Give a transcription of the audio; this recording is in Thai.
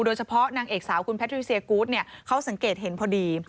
โดยเฉพาะนางเอกสาวคุณแพทรี่เซียโกว์ทเขาสังเกตเห็นพอดี